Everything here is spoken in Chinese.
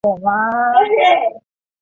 加入民革。